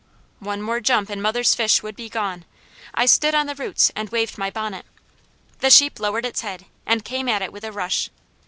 One more jump and mother's fish would be gone. I stood on the roots and waved my bonnet. The sheep lowered its head and came at it with a rush.